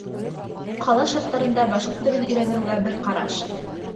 Ҡала шарттарында башҡорт телен өйрәнеүгә бер ҡараш